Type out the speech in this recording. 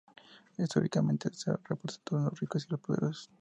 Históricamente, se ha representado los ricos y poderosos.